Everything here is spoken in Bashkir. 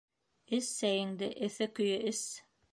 Эс сәйеңде... эҫе көйө эс...